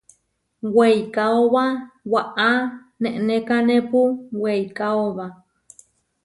Weikaóba waʼá nenekanépu weikaóba.